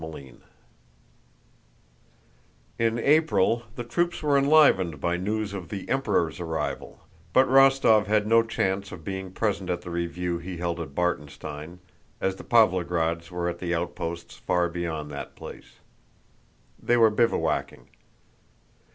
CHAPTER XVI In April the troops were enlivened by news of the Emperor's arrival, but Rostóv had no chance of being present at the review he held at Bartenstein, as the Pávlograds were at the outposts far beyond that place. They were bivouacking.